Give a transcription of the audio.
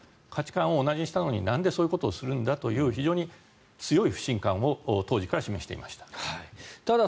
価値観を同じにしたのになんでそういうことをするんだという強い不信感を当時から示していました。